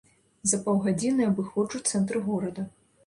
За паўгадзіны абыходжу цэнтр горада.